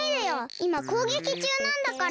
いまこうげきちゅうなんだから！